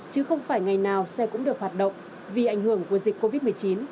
chứ không phải ngày nào xe cũng được hoạt động vì ảnh hưởng của dịch covid một mươi chín